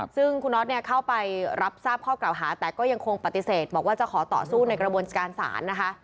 ซึ่งคุณน็อตเนี่ยเข้าไปรับทราบข้อกล่าวหาแต่ก็ยังคงปฏิเสธบอกว่าจะขอต่อสู้ในกระบวนการศาลนะคะ